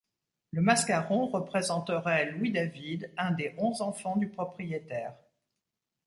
Le mascaron représenterait Louis-David un des onze enfants du propriétaire.